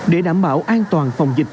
để đảm bảo an toàn phòng dịch